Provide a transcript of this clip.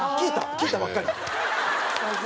聞いたばっかり。